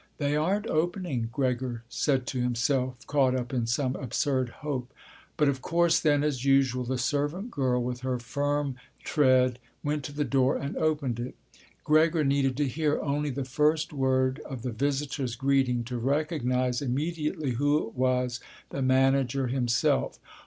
"They aren't opening," Gregor said to himself, caught up in some absurd hope. But of course then, as usual, the servant girl with her firm tread went to the door and opened it. Gregor needed to hear only the first word of the visitor's greeting to recognize immediately who it was, the manager himself.